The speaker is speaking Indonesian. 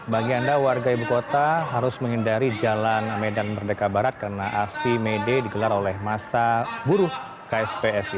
bagi anda warga ibu kota harus menghindari jalan medan merdeka barat karena aksi may day digelar oleh masa buruh kspsi